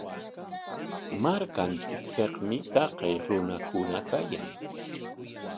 Markanchikpikmi taqay runakuna kayan.